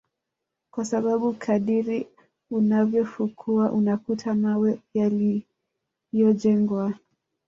kwa sababu kadiri unavyofukua unakuta mawe yaliyojengwa